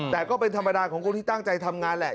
แต่ก็เป็นธรรมดาของคนที่ตั้งใจทำงานแหละ